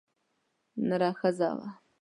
نره ښځه وه.